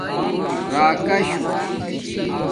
راکشݸ